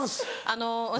あの私